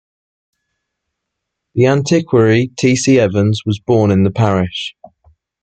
The antiquary T. C. Evans was born in the parish.